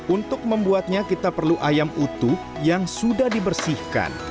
untuk membuatnya kita perlu ayam utuh yang sudah dibersihkan